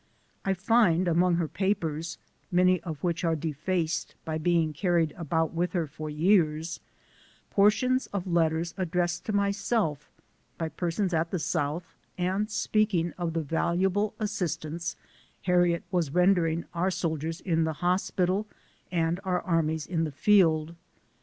I find among her pa pers, many of which are defaced by being carried about with her for years, portions of letters ad dressed to myself, by persons at the South, and speaking of the valuable assistance Harriet was rendering our soldiers in the hospital, and our armies in the field.